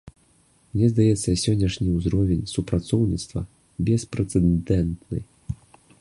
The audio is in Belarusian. Мне здаецца, сённяшні ўзровень супрацоўніцтва беспрэцэдэнтны.